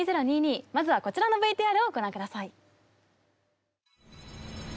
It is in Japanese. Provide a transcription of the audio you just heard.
まずはこちらのＶＴＲをご覧下さい。